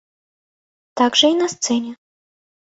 Так жа і на сцэне.